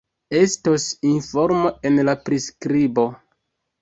Estos informo en la priskribo